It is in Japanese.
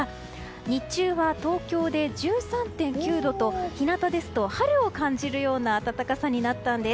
日中は東京で１３．９度と日なたですと春を感じるような暖かさになったんです。